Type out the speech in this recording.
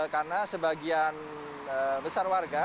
karena sebagian besar warga